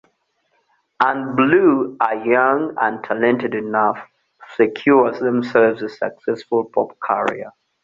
And Blue are young and talented enough to secure themselves a successful pop career.